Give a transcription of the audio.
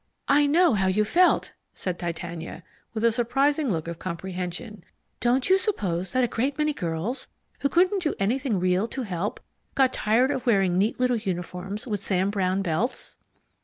"I know how you felt," said Titania, with a surprising look of comprehension. "Don't you suppose that a great many girls, who couldn't do anything real to help, got tired of wearing neat little uniforms with Sam Browne belts?"